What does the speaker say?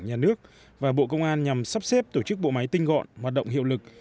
nhà nước và bộ công an nhằm sắp xếp tổ chức bộ máy tinh gọn hoạt động hiệu lực